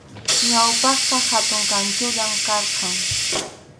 Ñawpaqqa hatun kanchunllam karqan.